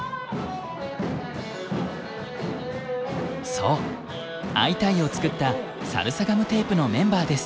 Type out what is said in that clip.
そう「アイタイ！」を作ったサルサガムテープのメンバーです。